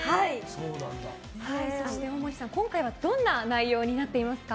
大森さん、今回はどんな内容になっていますか？